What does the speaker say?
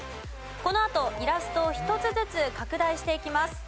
このあとイラストを１つずつ拡大していきます。